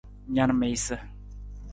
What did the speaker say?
Na na miisa.